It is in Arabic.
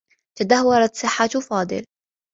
تدهورت صحّة فاضل.